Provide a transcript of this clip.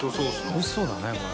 おいしそうだねこれ。